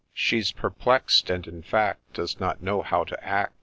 She 's perplex'd ; and, in fact, Does not know how to act.